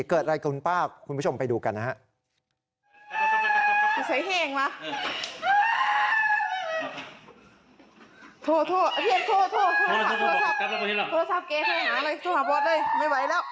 เกิดอะไรกับคุณป้าคุณผู้ชมไปดูกันนะฮะ